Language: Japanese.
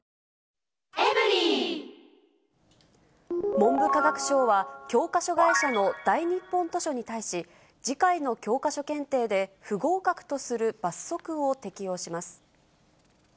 文部科学省は、教科書会社の大日本図書に対し、次回の教科書検定で不合格とする罰則を適用します。